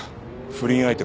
不倫相手？